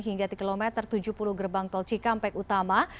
hingga di kilometer tujuh puluh gerbang tol cikampek utama